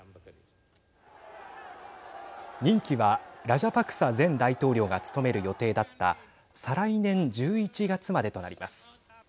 任期は、ラジャパクサ前大統領が務める予定だった再来年１１月までとなります。